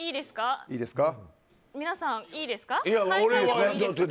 皆さん、いいですか？